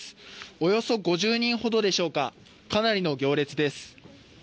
およそ５０人ほどでしょうか、かなりの行列です。